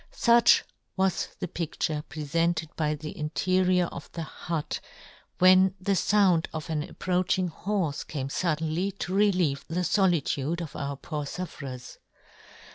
Such was the pidlure prefented by the interior of the hut, when the found of an approaching horfe came fuddenly to reheve the folitude of our poor fufferers.